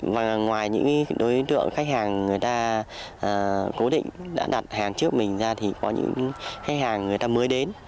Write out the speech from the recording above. và ngoài những đối tượng khách hàng người ta cố định đã đặt hàng trước mình ra thì có những khách hàng người ta mới đến